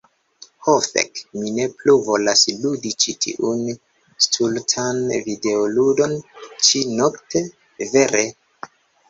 Ho fek, mi ne plu volas ludi ĉi tiun stultan videoludon ĉi-nokte. Vere.